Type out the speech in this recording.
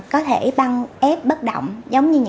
có thể băng ép bất động